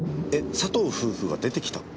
佐藤夫婦が出てきた？